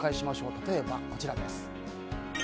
例えば、こちらです。